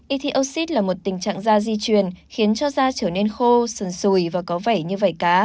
etiocit là một tình trạng da di truyền khiến cho da trở nên khô sần sùi và có vảy như vảy cá